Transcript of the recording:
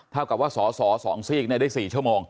เท่ากับว่าสอสอ๒ซีกได้๔ชั่วโมง